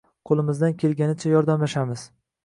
Qo'limizdan kelganicha yordamlashamiz.